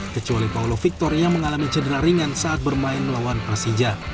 kecuali paulo victor yang mengalami cedera ringan saat bermain melawan persija